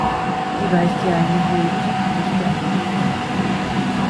Sie weist hier eine hohe Zugdichte auf.